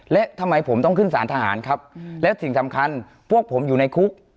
และทำไมผมต้องขึ้นสารทหารครับแล้วสิ่งสำคัญพวกผมอยู่ในคุก